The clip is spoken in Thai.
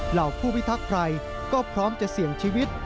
เหล่าผู้พิทักษภัยก็พร้อมจะเสี่ยงชีวิต